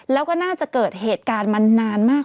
แล้วก็น่าจะเกิดเหตุการณ์มานานมาก